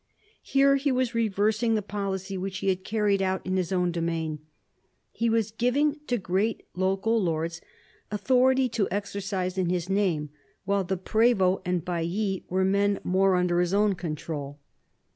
Here he was reversing the policy which he had carried out in his own domain. He was giving to great local lords authority to exercise in his name, while the prdvdts and baillis were men more under his own control.